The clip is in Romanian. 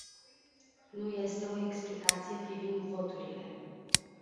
Nu este o explicație privind voturile.